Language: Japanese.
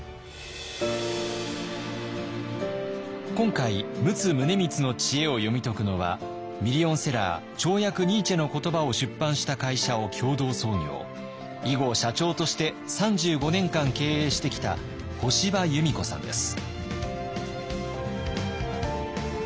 今回陸奥宗光の知恵を読み解くのはミリオンセラー「超訳ニーチェの言葉」を出版した会社を共同創業以後社長として３５年間経営してきた干場弓子さんです。